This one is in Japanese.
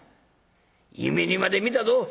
夢にまで見たど。